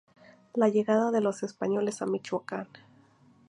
La llegada de los españoles a Michoacán.